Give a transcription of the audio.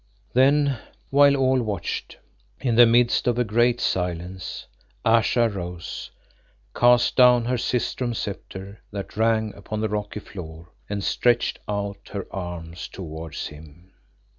Then while all watched, in the midst of a great silence, Ayesha rose, cast down her sistrum sceptre that rang upon the rocky floor, and stretched out her arms towards him.